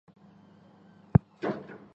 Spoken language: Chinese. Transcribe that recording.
糠醛的物性已在右表中列出。